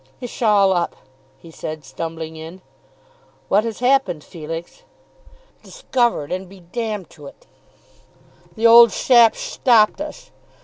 "It'sh all up," he said, stumbling in. "What has happened, Felix?" "Discovered, and be d to it! The old shap'sh stopped ush."